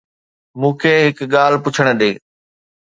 مون کي هڪ ڳالهه پڇڻ ڏي